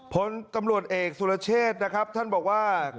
ผลตำรวจเอกสุรเชษนะครับท่านบอกว่า